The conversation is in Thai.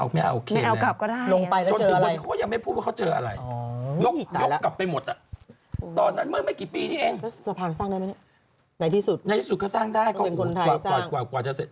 กว่าจะเสด็จริงที่ถึงแลนะ